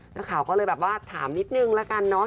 นักข่าวก็เลยแบบว่าถามนิดนึงละกันเนาะ